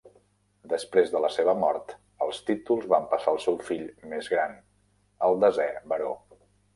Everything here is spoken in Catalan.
Després de la seva mort, els títols van passar al seu fill més gran, el desè baró.